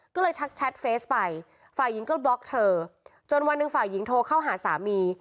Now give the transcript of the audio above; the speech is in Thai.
ก็เลยทักแชทเฟสไปฝ่ายหญิงก็บล็อกเธอจนวันหนึ่งฝ่ายหญิงโทรเข้าหาสามี